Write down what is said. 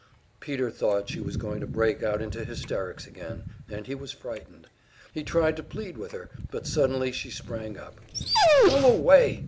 Peter thought she was going to break out into hysterics again, and he was frightened. He tried to plead with her, but suddenly she sprang up. "Go away!"